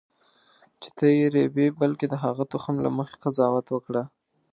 چې ته یې رېبې بلکې د هغه تخم له مخې قضاوت وکړه.